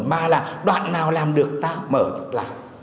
mà là đoạn nào làm được ta mở lại